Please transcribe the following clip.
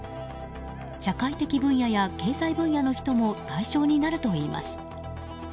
社会的分野や経済的分野の人も対象になるといいます。